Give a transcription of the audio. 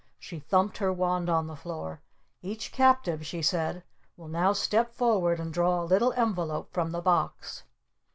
She thumped her wand on the floor. "Each captive," she said, "will now step forward and draw a little envelope from the box."